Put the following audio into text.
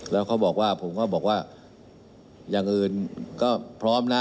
แล้วผมก็บอกว่าอย่างอื่นก็พร้อมนะ